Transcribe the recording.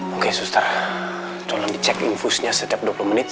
oke susta tolong dicek infusnya setiap dua puluh menit